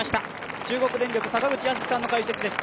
中国電力、坂口泰さんの解説です。